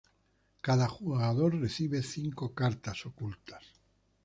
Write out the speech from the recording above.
Cada jugador recibe cinco cartas ocultas.